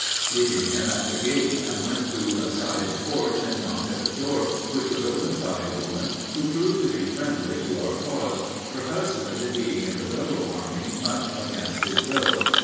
Leaving him at the gate, I went to a side porch and knocked at the door, which was opened by a woman who proved to be friendly to our cause, her husband being in the rebel army much against his will.